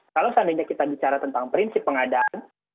kalau seandainya kita bicara tentang prinsip pengadaan